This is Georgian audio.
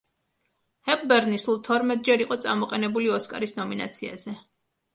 ჰეპბერნი სულ თორმეტჯერ იყო წამოყენებული ოსკარის ნომინაციაზე.